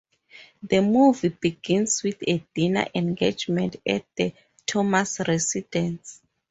The movie begins with a dinner engagement at the Thomas residence.